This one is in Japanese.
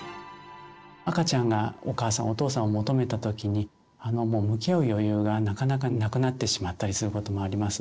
赤ちゃんがお母さんお父さんを求めた時に向き合う余裕がなかなかなくなってしまったりすることもあります。